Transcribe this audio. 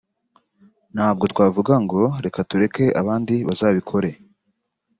ntabwo twavuga ngo reka tureke abandi bazabikore